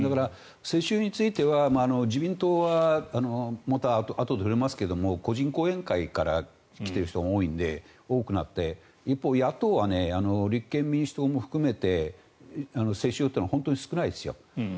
世襲については自民党はまたあとで触れますが個人後援会から来てる人が多くなって一方、野党は立憲民主党も含めて世襲は本当に少ないですよ。